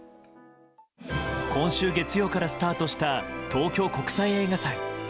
今週月曜からスタートした東京国際映画祭。